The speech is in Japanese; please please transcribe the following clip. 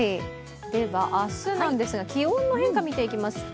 明日なんですが、気温の変化を見ていきますと？